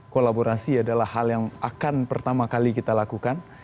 kolaborasi adalah hal yang akan pertama kali kita lakukan